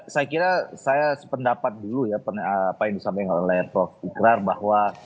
saya kira saya sependapat dulu ya pak indus sambingal lerpok ikrar bahwa